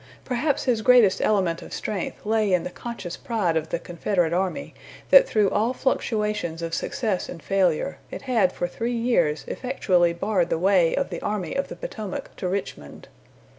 Perhaps his greatest element of strength lay in the conscious pride of the Confederate army that through all fluctuations of success and failure, it had for three years effectually barred the way of the Army of the Potomac to Richmond.